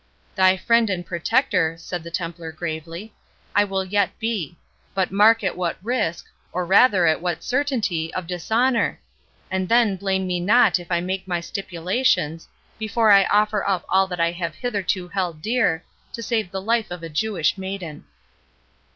"Thy friend and protector," said the Templar, gravely, "I will yet be—but mark at what risk, or rather at what certainty, of dishonour; and then blame me not if I make my stipulations, before I offer up all that I have hitherto held dear, to save the life of a Jewish maiden."